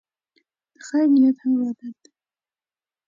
د خیر نیت هم عبادت دی.